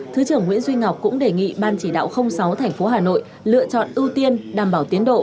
thứ trưởng nguyễn duy ngọc cũng đề nghị ban chỉ đạo sáu thành phố hà nội lựa chọn ưu tiên đảm bảo tiến độ